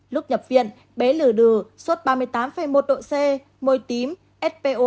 lúc nhập viện bé lửa đừ suốt ba mươi tám một độ c môi tím spo hai tám mươi bốn